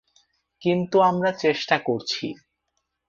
কিন্তু আমরা চেষ্টা করছি।